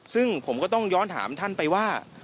ซึ่งผมก็ต้องย้อนถามท่านไปว่า